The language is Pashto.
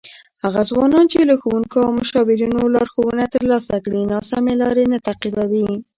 هغه ځوانان چې له ښوونکو او مشاورینو لارښوونه ترلاسه کړي، ناسمې لارې نه تعقیبوي.